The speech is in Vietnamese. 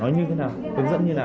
nói như thế nào tướng dẫn như thế nào